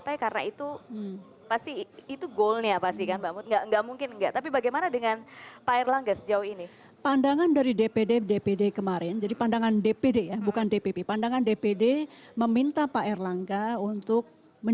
artinya beliau tadi bahasa yang digunakan beliau adalah menunggu waktu yang tepat